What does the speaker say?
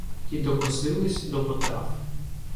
І докосились до потрав.